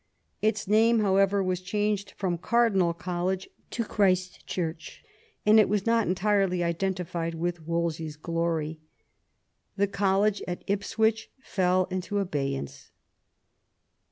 Its name, however, was changed from Cardinal College to Christ Church, and it was not entirely identified with Wolsejr's glory. The college at Ipswich fell into abeyance.